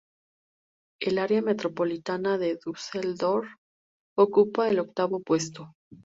El área metropolitana de Düsseldorf ocupa el octavo puesto.